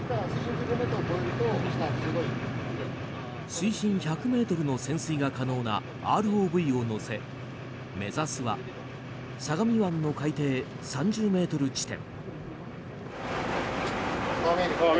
水深１００ｍの潜水が可能なＲＯＶを載せ目指すは相模湾の海底３０ｍ地点。